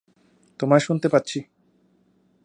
তোমায় শুনতে পাচ্ছি।